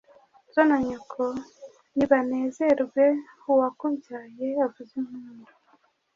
so na nyoko nibanezerwe uwakubyaye avuze impundu